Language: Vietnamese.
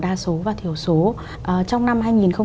đa số và thiểu số trong năm